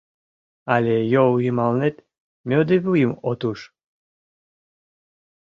Але йол йымалнет мӧдывуйым от уж...